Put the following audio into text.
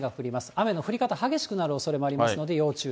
雨の降り方、激しくなるおそれもありますので、要注意。